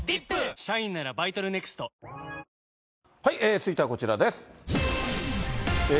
続いてはこちらです。